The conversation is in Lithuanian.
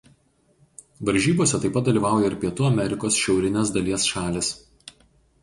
Varžybose taip pat dalyvauja ir Pietų Amerikos šiaurinės dalies šalys.